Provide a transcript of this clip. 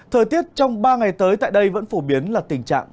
thời tiết trong ba ngày tới tại đây vẫn phổ biến là tình trạng